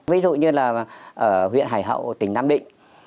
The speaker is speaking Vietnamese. ví dụ như là ở huyện hải hậu tỉnh nam định